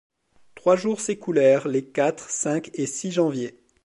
Trois jours s’écoulèrent, les quatre, cinq et six janvier